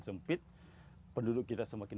sempit penduduk kita semakin